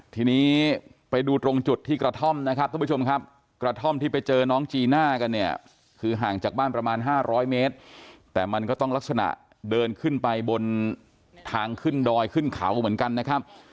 ทีนี้ไปดูตรงจุดที่กระท่อมนะครับท่านผู้ชมครับกระท่อมที่ไปเจอน้องจีน่ากันเนี่ยคือห่างจากบ้านประมาณ๕๐๐เมตรแต่มันก็ต้องลักษณะเดินขึ้นไปบนทางขึ้นดอยขึ้นเขาเหมือนกันนะครับ